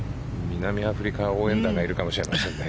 南アフリカ応援団がいるかもしれませんね。